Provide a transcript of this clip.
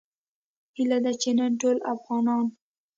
هیله ده چې نن ټول افغانان